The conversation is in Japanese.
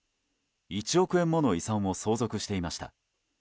１億円もの遺産を相続していました。